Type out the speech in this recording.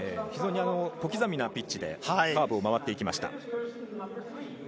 非常に小刻みなピッチでカーブを回っていきました。